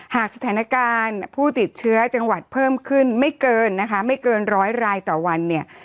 หากสถานการณ์ผู้ติดเชื้อจังหวัดเพิ่มขึ้นไม่เกินนะคะไม่เกินร้อยรายต่อวันเนี่ย